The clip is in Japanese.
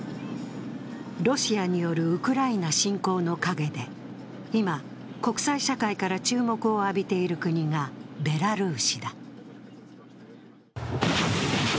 ロシアによるウクライナ侵攻の陰で今、国際社会から注目を浴びている国がベラルーシだ。